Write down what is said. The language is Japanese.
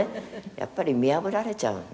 やっぱり見破られちゃうのね」